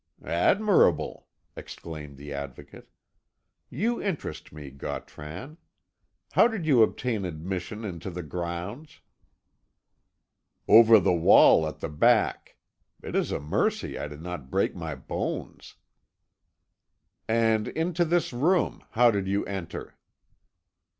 "Admirable!" exclaimed the Advocate. "You interest me, Gautran. How did you obtain admission into the grounds?" "Over the wall at the back. It is a mercy I did not break my bones." "And into this room how did you enter?"